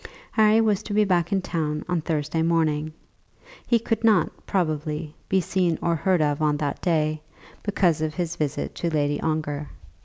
Harry was to be back in town on Thursday morning. He could not, probably, be seen or heard of on that day, because of his visit to Lady Ongar.